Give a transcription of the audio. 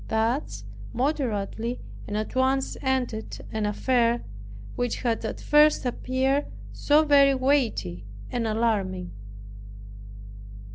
Thus moderately and at once ended an affair, which had at first appeared so very weighty and alarming.